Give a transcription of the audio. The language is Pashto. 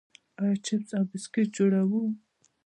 آیا چپس او بسکټ جوړوو؟